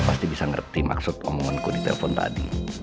dia pasti bisa ngerti maksud omonganku di telpon tadi